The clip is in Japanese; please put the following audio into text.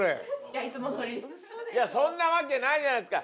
いやそんなわけないじゃないですか。